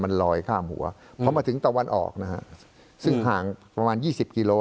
มันลอยข้ามหัวพอมาถึงตะวันออกนะฮะซึ่งห่างประมาณยี่สิบกิโล